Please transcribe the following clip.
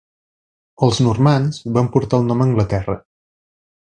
Els normands van portar el nom a Anglaterra.